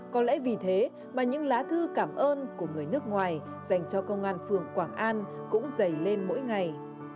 có lẽ vì thế mà những lá thư cảm ơn của người nước ngoài dành cho công an phường quảng an cũng dày lên mỗi ngày